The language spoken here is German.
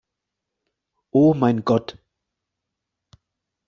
Oh mein Gott!